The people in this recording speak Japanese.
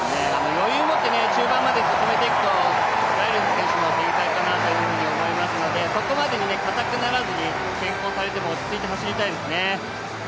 余裕を持って中盤まで展開していけると、ライルズ選手の展開かなと思いますからそこまでに硬くならずに先行されても落ち着いて走りたいですね。